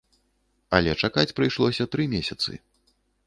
Але чакаць прыйшлося тры месяцы.